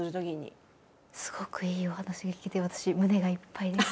すごくいいお話が聞けて私胸がいっぱいです。